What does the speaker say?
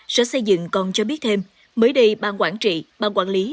sở xây dựng còn cho biết thêm mới đây ban quản trị ban quản lý